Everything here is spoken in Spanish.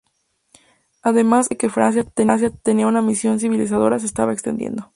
Además, la idea de que Francia tenía una misión civilizadora se estaba extendiendo.